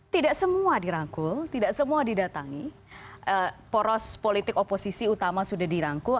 tidak semua dirangkul tidak semua didatangi poros politik oposisi utama sudah dirangkul